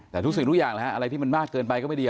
แต่ทุกสิ่งทุกอย่างอะไรที่มันมากเกินไปก็ไม่ดี